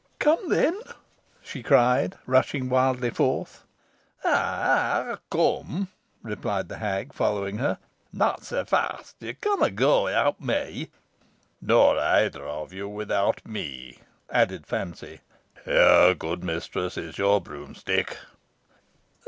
"Come, then," she cried, rushing wildly forth. "Ay, ay, I come," replied the hag, following her. "Not so fast. You cannot go without me." "Nor either of you without me," added Fancy. "Here, good mistress, is your broomstick."